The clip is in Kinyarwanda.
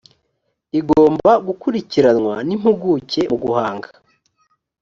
igomba gukurikiranwa n impuguke mu guhanga